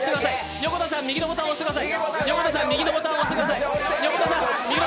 横田さん、右のボタンを押してください。